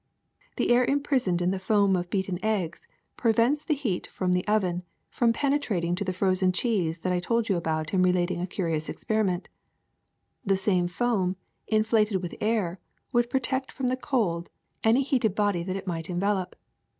The air imprisoned in the foam of beaten 86 THE SECRET OF EVERYDAY THINGS eggs prevents the heat of the oven from penetrating to the frozen cheese that I told you about in relating a curious experiment. The same foam, inflated with air, would protect from the cold any heated body that it might envelop.